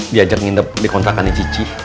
diajak ngindep di kontrakan cici